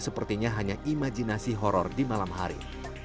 sepertinya hanya imajinasi horror di malam hari